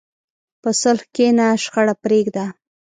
په صلح کښېنه، شخړه پرېږده.